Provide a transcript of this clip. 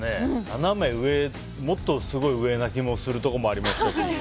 ナナメ上もっとすごい上な気もするところもありましたし。